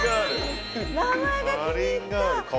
名前が気に入った。